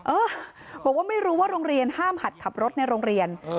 เออบอกว่าไม่รู้ว่าโรงเรียนห้ามหัดขับรถในโรงเรียน